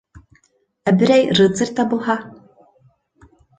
— Ә берәй рыцарь табылһа?